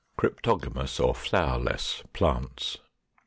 CRYPTOGAMOUS OR FLOWERLESS PLANTS.